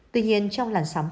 tuy nhiên trong những trường hợp